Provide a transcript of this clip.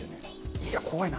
いや怖いな。